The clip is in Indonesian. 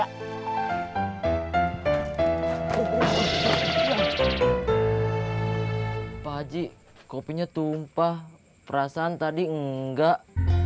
hai pakcik kopinya tumpah perasaan tadi enggak